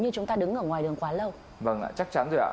chắc chắn rồi ạ